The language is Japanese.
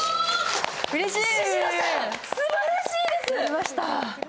うれしい！